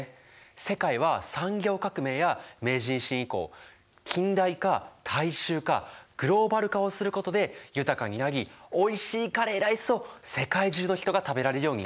世界は産業革命や明治維新以降「近代化」「大衆化」「グローバル化」をすることで豊かになりおいしいカレーライスを世界中の人が食べられるようになった。